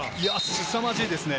すさまじいですね。